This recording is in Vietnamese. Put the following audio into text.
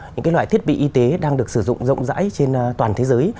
những loại thiết bị y tế đang được sử dụng rộng rãi trên toàn thế giới